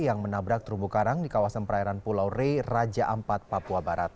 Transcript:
yang menabrak terumbu karang di kawasan perairan pulau re raja ampat papua barat